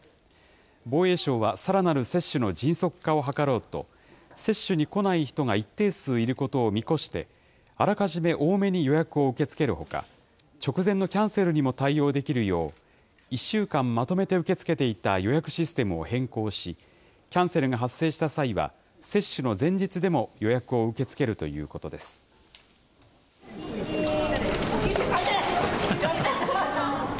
防衛省はさらなる接種の迅速化を図ろうと、接種に来ない人が一定数いることを見越して、あらかじめ多めに予約を受け付けるほか、直前のキャンセルにも対応できるよう、１週間まとめて受け付けていた予約システムを変更し、キャンセルが発生した際は、接種の前日でも予約を受け付けるということです。